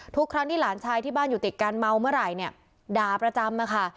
ทุกครั้งที่หลานชายที่บ้านอยู่ติดกันเมาเมื่อไหร่เนี่ยด่าประจำมาค่ะ